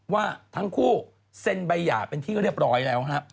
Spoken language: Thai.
ว่าทั้งคู่เซ็นใบหย่าเป็นที่เรียบร้อยแล้วฮะ